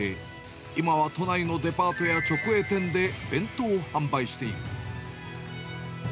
今は都内のデパートや直営店で弁当を販売している。